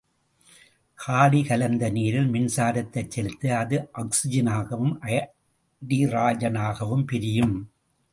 காடி கலந்த நீரில் மின்சாரத்தைச் செலுத்த, அது ஆக்சிஜனாகவும் அய்டிரஜனாகவும் பிரியும்.